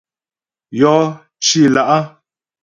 Yɔ cì lá'.